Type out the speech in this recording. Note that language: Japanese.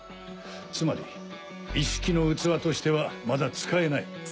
つまりイッシキの器としてはまだ使えない。